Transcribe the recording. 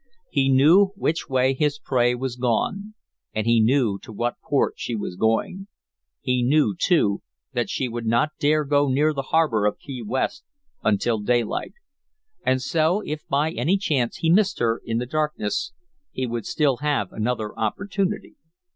He knew which way his prey was gone, and he knew to what port she was going. He knew, too, that she would not dare go near the harbor of Key West until daylight. And so if by any chance he missed her in the darkness he would still have another opportunity.